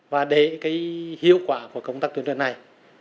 và để cái hiệu quả của công tác tuyên truyền này